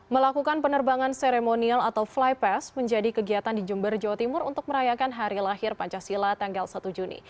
melakukan penerbangan seremonial atau fly pass menjadi kegiatan di jember jawa timur untuk merayakan hari lahir pancasila tanggal satu juni